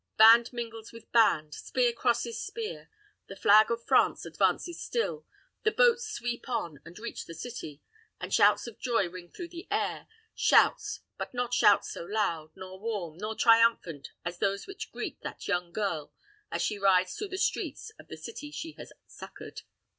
Band mingles with band, spear crosses spear; the flag of France advances still; the boats sweep on and reach the city; and shouts of joy ring through the air shouts, but not shouts so loud, nor warm, nor triumphant as those which greet that young girl as she rides through the streets of the city she has succored.